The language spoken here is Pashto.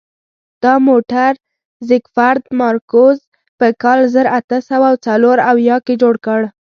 دا موټر زیکفرد مارکوس په کال زر اته سوه څلور اویا کې جوړ کړ.